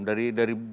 dari banyak sumber